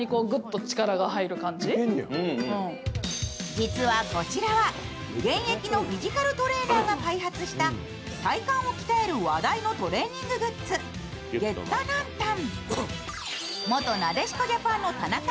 実はこちらは、現役のフィジカルトレーナーが開発した体幹を鍛える話題のトレーニンググッズ、ＧＥＴＴＡＮＡＮＴＡＮ。